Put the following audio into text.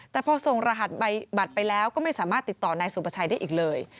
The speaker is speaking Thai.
แต่พอส่งรหัสบัตรไปแล้วก็ไม่สามารถติดต่อนายสุประชัยได้อีกเลย